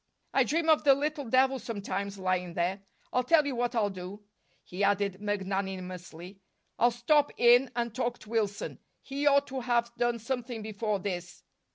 I dream of the little devil sometimes, lying there. I'll tell you what I'll do," he added magnanimously. "I'll stop in and talk to Wilson. He ought to have done something before this."